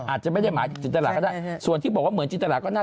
อาจจะไม่ได้หมายถึงจินตราก็ได้